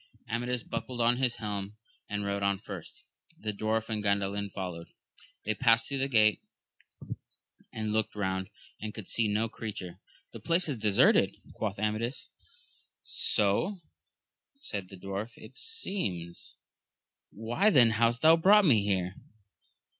Amadis buckled on his helm and rode on first, the dwarf and Gandalin followed ; they passed through the gate, and looked round, and could see no creature. The place is deserted, quoth Amadis. So, said the dwarf, it seems. — ^Why then hast thou brought me here